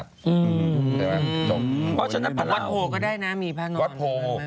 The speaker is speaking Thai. เพราะฉะนั้นวัดโพก็ได้นะมีพาห์นอน